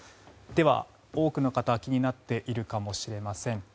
では、多くの方が気になっているかもしれません。